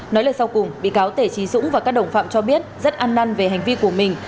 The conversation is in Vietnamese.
nói lời sau cùng bị cáo tể trí dũng và các đồng phạm cho biết rất ăn năn về hành vi của mình